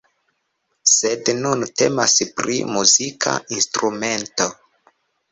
Sed nun temas pri muzika instrumento.